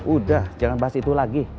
udah jangan bahas itu lagi